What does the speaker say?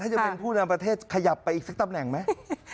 ถ้าจะเป็นผู้นำประเทศขยับไปอีกสักตำแหน่งไหม